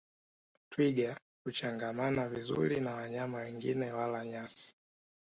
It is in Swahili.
Twiga huchangamana vizuri na wanyama wengine wala nyasi